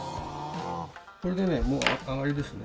これでねもう上がりですね。